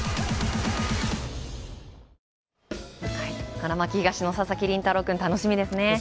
花巻東の佐々木麟太郎君、楽しみですね。